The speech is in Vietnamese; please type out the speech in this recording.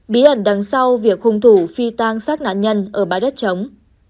bí ẩn đằng sau việc hung thủ phi tang sát nạn nhân ở bãi đất chống